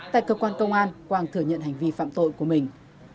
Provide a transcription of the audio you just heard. tại cơ quan công an quang thừa nhận hành vi phạm tội của mình